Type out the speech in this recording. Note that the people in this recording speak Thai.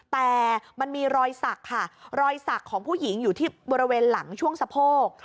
แต่มันมีรอยสักค่ะรอยสักของผู้หญิงอยู่ที่บริเวณหลังช่วงสะโพก